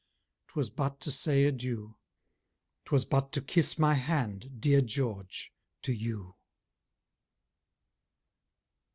'Twas but to say adieu! 'Twas but to kiss my hand, dear George, to you!